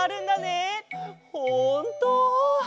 ほんと！